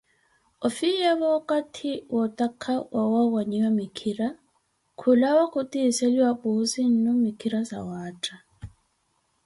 Ofiyeevo wakathi wootakha waawanyiwa mikhira, khulawa khutiseliwa Puuzi-nnu mikhira zawaatta.